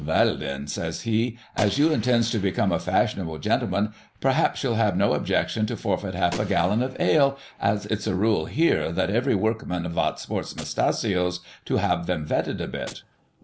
" Veil, then," says he, " as you intends to become a fashionable gentleman, p'raps you'll have no objec tion to forfeit half a gallon of ale, as it's a rule here that every workman vot sports mustachios, to have them vetted a bit."